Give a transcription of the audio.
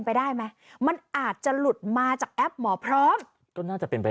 ไปได้ไหมมันอาจจะหลุดมาจากแอปหมอพร้อมก็น่าจะเป็นไป